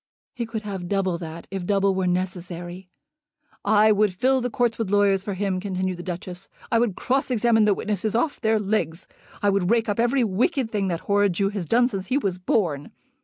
"He could have double that, if double were necessary." "I would fill the court with lawyers for him," continued the Duchess. "I would cross examine the witnesses off their legs. I would rake up every wicked thing that horrid Jew has done since he was born.